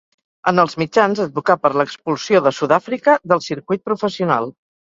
En els mitjans, advocà per l'expulsió de Sud-àfrica del circuit professional.